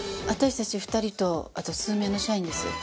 私たち２人とあと数名の社員です。